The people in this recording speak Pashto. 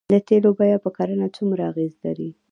د تیلو بیه په کرنه څومره اغیز لري؟